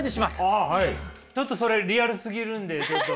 ちょっとそれリアルすぎるんでちょっとごめんなさい。